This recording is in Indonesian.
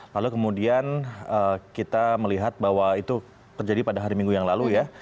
lalu kemudian kita melihat bahwa itu terjadi pada hari minggu yang lalu ya